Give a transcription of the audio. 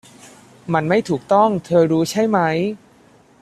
มันไม่ถูกต้องเธอรู้ใช่ไหม